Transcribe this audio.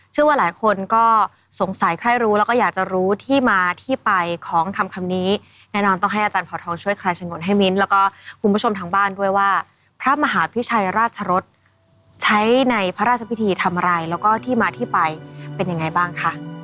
เชื่อว่าหลายคนก็สงสัยใครรู้แล้วก็อยากจะรู้ที่มาที่ไปของคำนี้แน่นอนต้องให้อาจารย์เผาทองช่วยคลายฉงนให้มิ้นแล้วก็คุณผู้ชมทางบ้านด้วยว่าพระมหาพิชัยราชรสใช้ในพระราชพิธีทำอะไรแล้วก็ที่มาที่ไปเป็นยังไงบ้างค่ะ